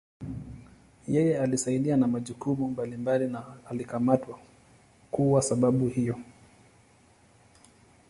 Yeye alisaidia na majukumu mbalimbali na alikamatwa kuwa sababu hiyo.